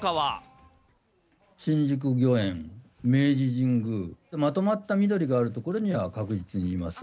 新宿御苑、明治神宮、まとまった緑がある所には、確実にいます。